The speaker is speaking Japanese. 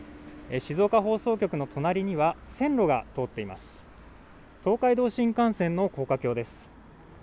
静岡放送局の隣には線路が通っています。